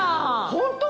ホント？